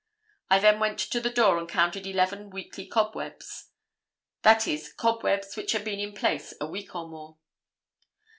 I then went to the door and counted eleven weekly cobwebs, that is cobwebs which had been in place a week or more.